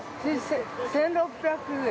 １６００円？